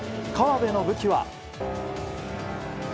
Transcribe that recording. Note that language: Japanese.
河辺の武器は。